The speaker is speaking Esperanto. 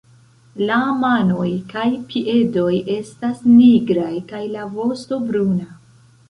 La manoj kaj piedoj estas nigraj kaj la vosto bruna.